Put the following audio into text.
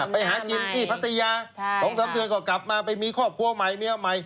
ไปหากินที่พัทยาของเอาหน้าใหม่นะฮะกลับไปมีครอบครัวใหม่